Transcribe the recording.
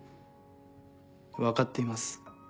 分かっています。